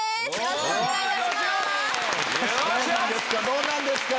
どうなんですか？